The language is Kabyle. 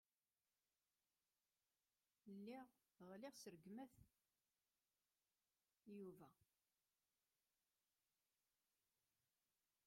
Lliɣ ɣelliɣ ɣef Yuba s rregmat.